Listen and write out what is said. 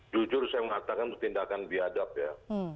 jujur saya mengatakan itu tindakan biadab ya